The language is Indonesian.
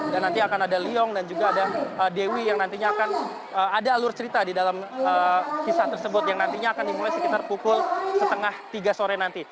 dan nanti akan ada leong dan juga ada dewi yang nantinya akan ada alur cerita di dalam kisah tersebut yang nantinya akan dimulai sekitar pukul setengah tiga sore nanti